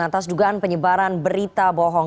atas dugaan penyebaran berita bohong